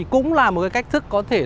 cũng là một cách thức